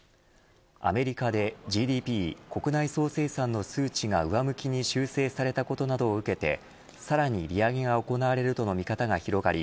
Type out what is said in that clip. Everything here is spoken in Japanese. アメリカでＧＤＰ国内総生産の数値が上向きに修正されたことなどを受けてさらに利上げが行われるとの見方が広がり